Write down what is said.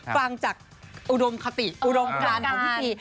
ฟังจากอุดมคติอุดมการของพิธี